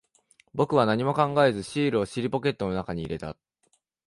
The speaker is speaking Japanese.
僕は何も考えず、シールを尻ポケットの中に入れた。